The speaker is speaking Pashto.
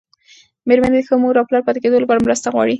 مېرمنې د ښه مور او پلار پاتې کېدو لپاره مرسته غواړي.